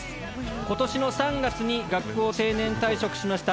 今年の３月に学校を定年退職しました